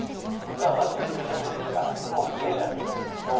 ではまず、天気から、雲のレーダーを見てみましょう。